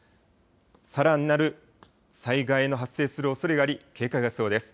さらなる災害の発生するおそれがあり、警戒が必要です。